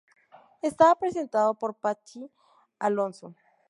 Estaba presentado por Patxi Alonso.